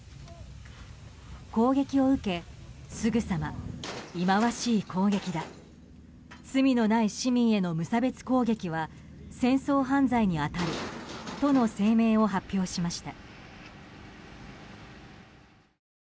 攻撃を受け、すぐさま忌まわしい攻撃だ罪のない市民への無差別攻撃は戦争犯罪に当たるとの声明を発表しました。